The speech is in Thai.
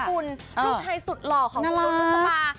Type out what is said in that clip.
ผู้ชายสุดหล่อของลูกลูกสปา